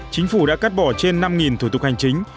chính phủ đã cắt bỏ trên năm thủ tục hành chính